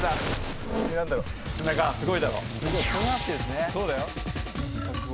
そうなってんすね。